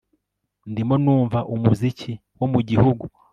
Ndimo numva umuziki wo mugihugu